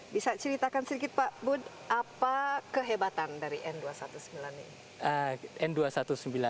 bisa ceritakan sedikit pak bud apa kehebatan dari n dua ratus sembilan belas ini